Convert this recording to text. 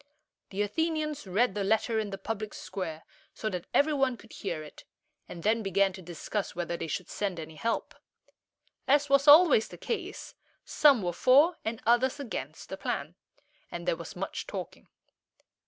The Athenians read the letter in the public square, so that every one could hear it, and then began to discuss whether they should send any help. As was always the case, some were for, and others against, the plan, and there was much talking.